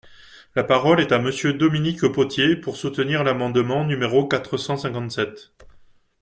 La parole est à Monsieur Dominique Potier, pour soutenir l’amendement numéro quatre cent cinquante-sept.